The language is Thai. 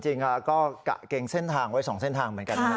จริงก็กะเกงเส้นทางไว้๒เส้นทางเหมือนกันนะครับ